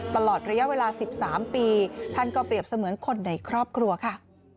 ตลอดระยะเวลา๑๓ปีท่านก็เปรียบเสมือนคนในครอบครัวค่ะ